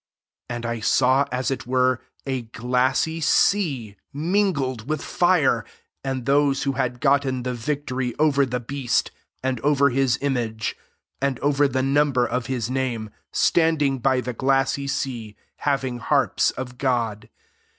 2 And I saw as it were a glassy sea mingled with fire; and those who bad gotten the victory, over the beast, and over his image, and over the number of his name, standing by the glassy sea, hav ing harps of God.